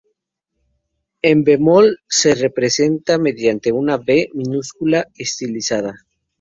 El bemol se representa mediante una "b" minúscula estilizada.